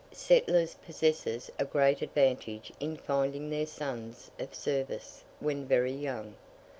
Settlers possess a great advantage in finding their sons of service when very young.